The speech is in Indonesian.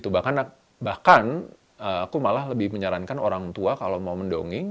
bahkan aku malah lebih menyarankan orang tua kalau mau mendongeng